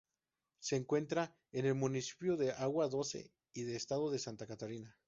Se encuentra en el municipio de Água Doce y el estado de Santa Catarina.